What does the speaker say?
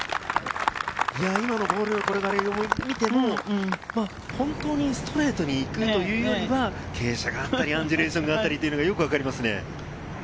今のボールの転がりを見ても、本当にストレートに行くというよりは、傾斜があったり、アンジュレーションがあったりというのがよくわかりますね。